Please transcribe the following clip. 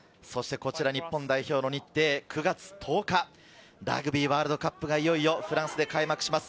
こちらが日本代表の日程、９月１０日はラグビーワールドカップがいよいよフランスで開幕します。